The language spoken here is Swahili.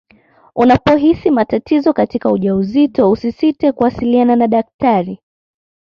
unapohisi matatizo katika ujauzito usisite kuwasiliana na daktari